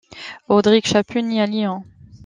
Audric Chapus né le à Lyon.